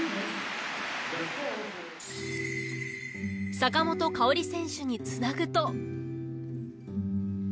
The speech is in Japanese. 坂本花織選手につなぐと。